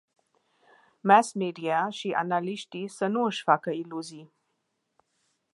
Mass-media și analiștii să nu își facă iluzii.